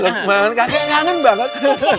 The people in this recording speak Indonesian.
hahaha lukman kakek kanan banget